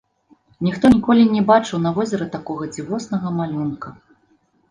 Ніхто ніколі не бачыў на возеры такога дзівоснага малюнка.